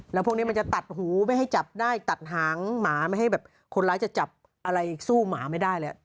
แล้วพวกนี้มันจะตัดหูไม่ให้จับได้ตัดหางหมาไม่ให้แบบคนร้ายจะจับอะไรสู้หมาไม่ได้แล้ว